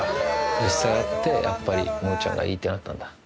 実際会ってやっぱりむぅちゃんがいいってなったんだ。